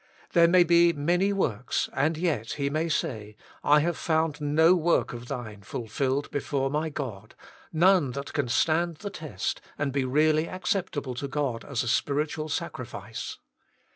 There may be many works, and yet He may say: I have found no work of thine fulfilled before My God, none that can stand the test and be really acceptable to God as a spiritual sacrifice.